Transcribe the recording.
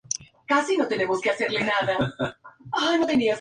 Por la misma razón pueden tener miedo a las montañas rusas.